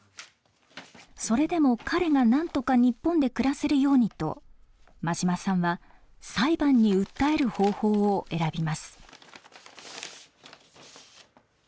それでも彼が何とか日本で暮らせるようにと馬島さんは裁判に訴える方法を選びます。